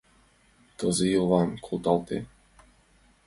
Тылзе йолвам колтале.